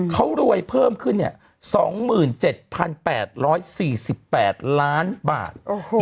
เขารวยเพิ่มขึ้น๒๗๘๔๘ล้านบาท